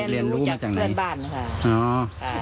เรียนรู้จากเพื่อนบ้านค่ะ